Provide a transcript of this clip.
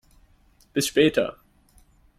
Bis später!